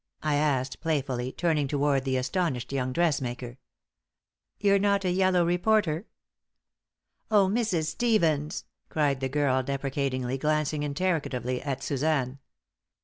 I asked, playfully, turning toward the astonished young dressmaker. "You're not a yellow reporter?" "Oh, Mrs. Stevens!" cried the girl, deprecatingly, glancing interrogatively at Suzanne.